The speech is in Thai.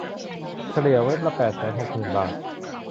เฉลี่ยเว็บละแปดแสนหกหมื่นบาท